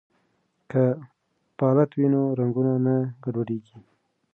که پالت وي نو رنګونه نه ګډوډیږي.